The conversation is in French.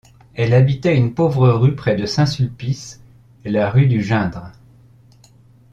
Elle habitait une pauvre rue près de Saint-Sulpice, la rue du Geindre.